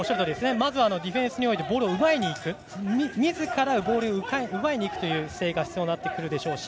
まずはディフェンスにおいてボールを奪いにいくみずからボールを奪いにいく姿勢が必要になってくるでしょうし